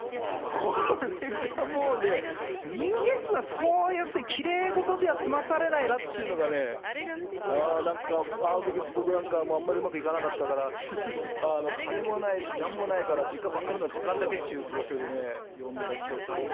これがもうね、人間っていうのはそういう、要するにきれい事では済まされないなっていうのがね、なんかあのとき、僕なんか、あんまりうまくいかなかったから、金もないしなんもないから、あるのは時間だけっていう状況でね、読んだ記憶あるなあ。